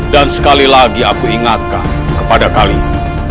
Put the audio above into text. dan sekali lagi aku ingatkan kepada kalian